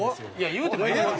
言うてもええやないの。